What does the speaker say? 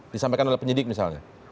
disampaikan oleh penyidik misalnya